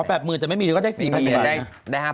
แต่ไม่มีเลยก็ได้๔๐๐๐บาท